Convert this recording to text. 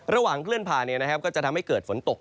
เคลื่อนผ่านก็จะทำให้เกิดฝนตก